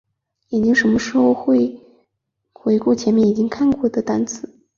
眼睛什么时候会回顾前面已经看到过的单词？